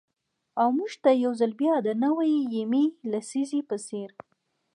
او مـوږ تـه يـو ځـل بـيا د نـوي يمـې لسـيزې پـه څـېر.